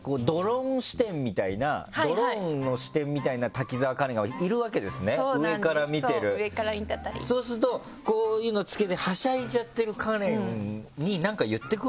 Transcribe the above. ドローンの視点みたいな滝沢カレンがいるわけですね上から見てるそうするとこういうのつけてはしゃいじゃってるカレンに何か言ってくるんですか？